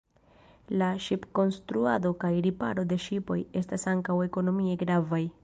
La ŝipkonstruado kaj riparo de ŝipoj estas ankaŭ ekonomie gravaj.